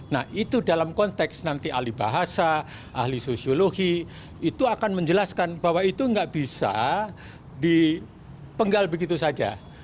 nah itu dalam konteks nanti ahli bahasa ahli sosiologi itu akan menjelaskan bahwa itu nggak bisa dipenggal begitu saja